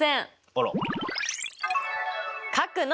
あら。